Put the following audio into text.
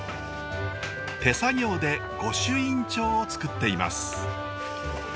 手作業で御朱印帳を作っています。